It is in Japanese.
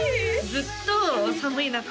ずっと寒い中